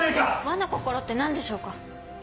和の心って何でしょうか？